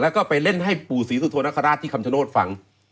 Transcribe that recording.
แล้วก็ไปเล่นให้ปู่ศรีสุโธนคราชที่คำชโนธฟัง